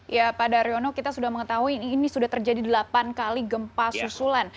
ya pak daryono kita sudah mengetahui ini sudah terjadi delapan kali gempa susulan